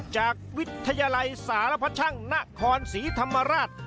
จากวิทยาลัยสารพช่างนครศรีธรรมราช